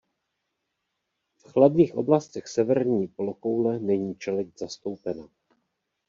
V chladných oblastech severní polokoule není čeleď zastoupena.